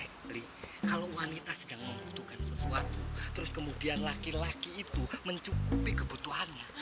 kalau wanita sedang membutuhkan sesuatu terus kemudian laki laki itu mencukupi kebutuhannya